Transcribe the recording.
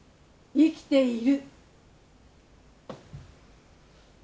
・生きている。